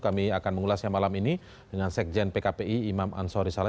kami akan mengulasnya malam ini dengan sekjen pkpi imam ansori saleh